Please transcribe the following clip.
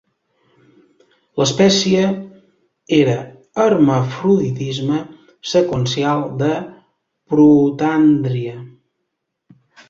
L"especie era hermafroditisme seqüencial de protàndria.